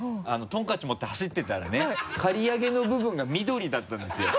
トンカチ持って走ってたらね刈り上げの部分が緑だったんですよ。